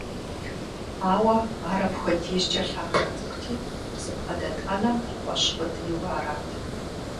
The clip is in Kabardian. Ауэ ар апхуэдизкӏэ лъахъшэ цӏыкӏути, зыбгъэдэт ӏэнэм къыкъуэщ къудейуэ арат.